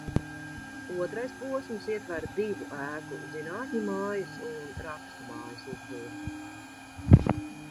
Otrais posms ietver divu ēku – Zinātņu mājas un Rakstu mājas – izbūvi.